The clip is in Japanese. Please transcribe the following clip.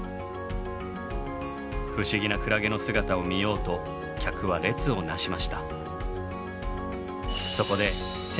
不思議なクラゲの姿を見ようと客は列を成しました。